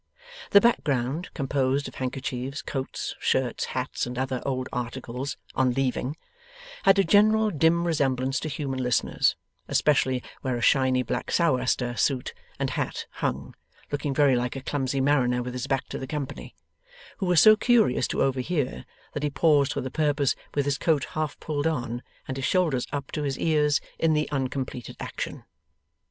The background, composed of handkerchiefs, coats, shirts, hats, and other old articles 'On Leaving,' had a general dim resemblance to human listeners; especially where a shiny black sou'wester suit and hat hung, looking very like a clumsy mariner with his back to the company, who was so curious to overhear, that he paused for the purpose with his coat half pulled on, and his shoulders up to his ears in the uncompleted action.